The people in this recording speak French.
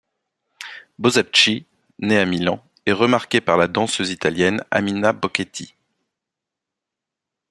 Bozzacchi, née à Milan, est remarquée par la danseuse italienne Amina Boschetti.